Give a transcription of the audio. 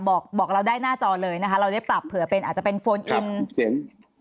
บอกบอกเราได้หน้าจอเลยนะคะเราได้ปรับเผื่อเป็นอาจจะเป็นโฟนอินเสียง